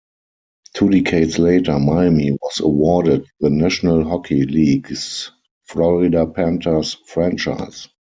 Two decades later, Miami was awarded the National Hockey League's Florida Panthers franchise.